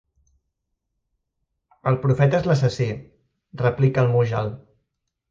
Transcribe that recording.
El profeta és l'assassí —replica el Mujal.